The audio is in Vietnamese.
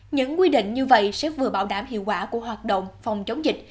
những quy định như vậy sẽ vừa bảo đảm hiệu quả của hoạt động phòng chống dịch